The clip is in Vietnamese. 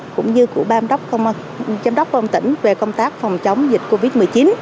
cũng như của ban giám đốc công an tỉnh về công tác phòng chống dịch covid một mươi chín